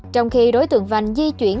trong khi đối tượng vành di chuyển